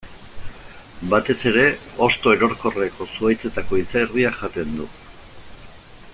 Batez ere hosto-erorkorreko zuhaitzetako izerdia jaten du.